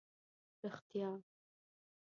رښتیا.